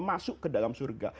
masuk ke dalam surga